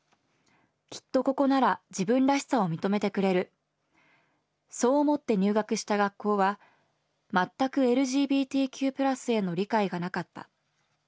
きっとここなら自分らしさを認めてくれるそう思って入学した学校は全くＬＧＢＴＱ＋への理解がなかった。